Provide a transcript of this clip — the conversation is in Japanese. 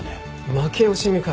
負け惜しみかよ。